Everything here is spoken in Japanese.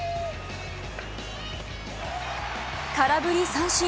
空振り三振。